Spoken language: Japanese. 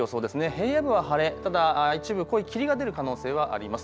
平野部は晴れ、ただ一部濃い霧が出る可能性はあります。